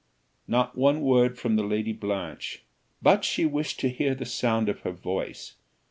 Not one word from the Lady Blanche; but she wished to hear the sound of her voice.